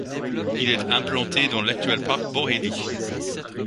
Il est implanté dans l'actuel parc Borély.